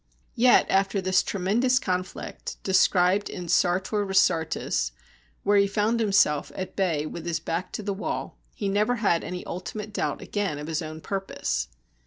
Yet after this tremendous conflict, described in Sartor Resartus, where he found himself at bay with his back to the wall, he never had any ultimate doubt again of his own purpose.